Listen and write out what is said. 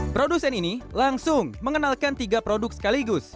produsen ini langsung mengenalkan tiga produk sekaligus